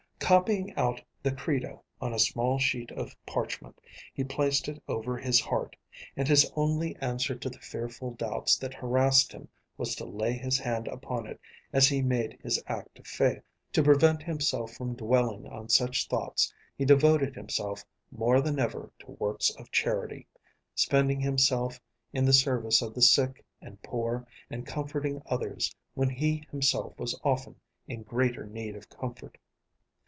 Copying out the Credo on a small sheet of parchment, he placed it over his heart, and his only answer to the fearful doubts that harassed him was to lay his hand upon it as he made his act of Faith. To prevent himself from dwelling on such thoughts, he devoted himself more than ever to works of charity, spending himself in the service of the sick and poor and comforting others when he himself was often in greater need of comfort.